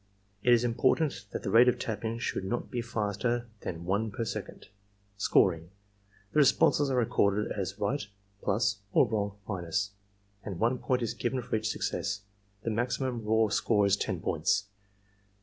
It is important that the rate of tapping should not be faster than one per second. Scoring, — ^The responses are recorded as right (+) or wrong (—); and 1 point is given for each success. The maximum raw score is 10 points.